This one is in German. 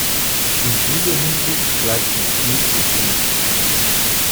In dieser Hinsicht bleibt noch viel zu tun.